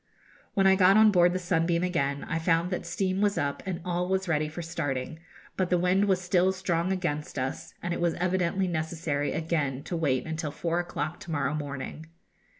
When I got on board the 'Sunbeam' again, I found that steam was up and all was ready for starting; but the wind was still strong against us, and it was evidently necessary again to wait until four o'clock to morrow morning.